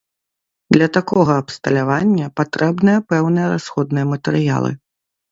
Для такога абсталявання патрэбныя пэўныя расходныя матэрыялы.